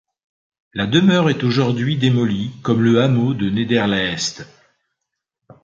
La demeure est aujourd'hui démolie comme le hameau de Nederleest.